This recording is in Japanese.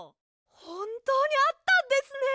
ほんとうにあったんですね！